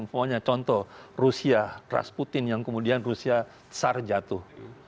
pokoknya contoh rusia rasputin yang kemudian rusia tsar jatuh